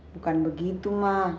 bukan begitu ma